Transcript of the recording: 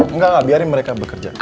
enggak biarin mereka bekerja